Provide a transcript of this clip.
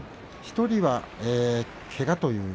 １人はけが。